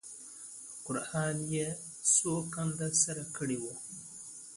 په قرآن یې سوګند سره کړی وو.